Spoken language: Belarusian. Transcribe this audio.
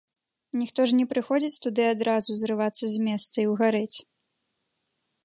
Ніхто ж не прыходзіць туды адразу зрывацца з месца і ўгарэць.